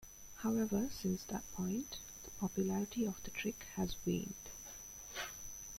However, since that point, the popularity of the trick has waned.